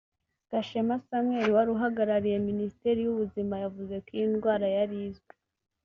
Gashema Samuel wari uhagarariye Minisiteri y’Ubuzima yavuze ko iyi ndwara yari izwi